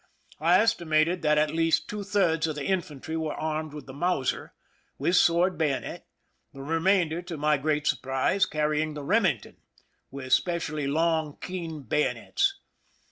I estimated that at least two thirds of the infantry were armed with the Mauser, with sword bayonet, the remainder, to my great surprise, carrying the Eemington, with specially long, keen bayonets.